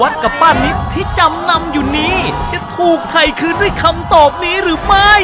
ดูด้วยคำตอบนี้หรือไม่